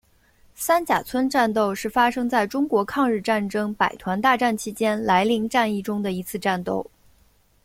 三甲村战斗是发生在中国抗日战争百团大战期间涞灵战役中的一次战斗。